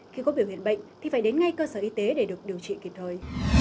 khi có biểu hiện bệnh thì phải đến ngay cơ sở y tế để được điều trị kịp thời